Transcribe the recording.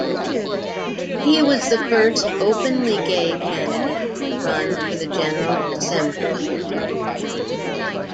He was the first openly gay candidate to run for the General Assembly.